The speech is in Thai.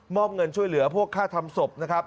เงินช่วยเหลือพวกค่าทำศพนะครับ